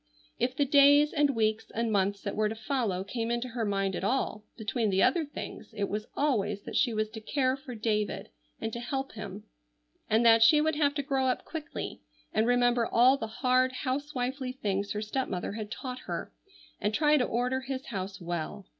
If the days and weeks and months that were to follow came into her mind at all between the other things it was always that she was to care for David and to help him, and that she would have to grow up quickly; and remember all the hard housewifely things her stepmother had taught her; and try to order his house well.